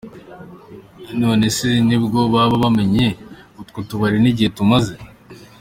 None se nibwo baba bamenye utwo tubari n’igihe tumaze?.